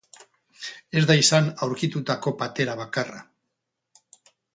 Ez da izan aurkitutako patera bakarra.